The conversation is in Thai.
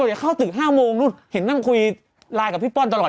ก็อยากเข้าตึกห้ามโมงโต้แหน่แต่ก็ไม่น่าคุยไนก์กับพี่ป้อนตลอด